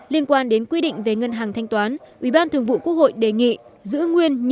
liên quan đến quy định về ngân hàng thanh toán ubth đề nghị giữ nguyên như quy định hiện hành